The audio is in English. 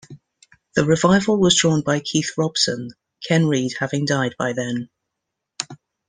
The revival was drawn by Keith Robson, Ken Reid having died by then.